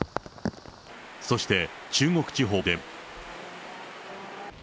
そして中国地方でも。